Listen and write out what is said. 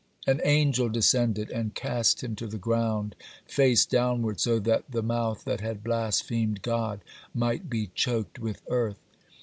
(42) An angel descended and cast him to the ground face downward, so that the mouth that had blasphemed God might be choked with earth.